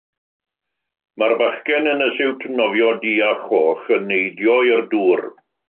Mae'r bachgen yn y siwt nofio du a choch yn neidio i'r dŵr.